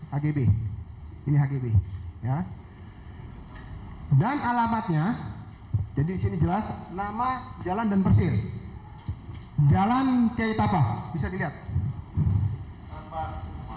pemprov dki jakarta membeli lahan seluas tiga puluh enam ribu meter persegi sekitar separuh bagian kiri dari lahan rumah sakit sumberwaras